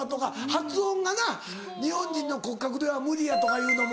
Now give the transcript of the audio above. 発音がな日本人の骨格では無理やとかいうのも。